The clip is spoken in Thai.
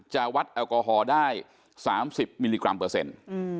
วัดแอลกอฮอล์ได้๓๐มิลลิกรัมเปอร์เซ็นต์